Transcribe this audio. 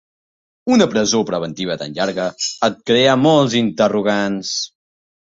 Una presó preventiva tan llarga et crea molts interrogants.